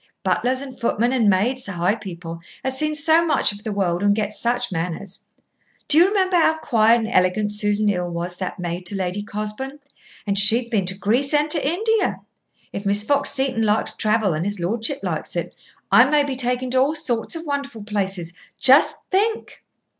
Butlers and footmen and maids to high people has seen so much of the world and get such manners. Do you remember how quiet and elegant Susan Hill was that was maid to Lady Cosbourne? And she'd been to Greece and to India. If Miss Fox Seton likes travel and his lordship likes it, I may be taken to all sorts of wonderful places. Just think!"